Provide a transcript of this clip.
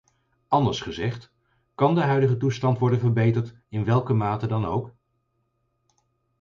Anders gezegd: kan de huidige toestand worden verbeterd, in welke mate dan ook?